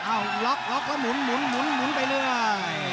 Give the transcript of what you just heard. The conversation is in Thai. อ้าวล็อคล็อคแล้วหมุนหมุนไปเรื่อย